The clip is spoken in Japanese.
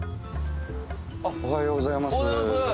おはようございます。